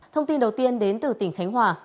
thông tin đầu tiên đến từ tỉnh khánh hòa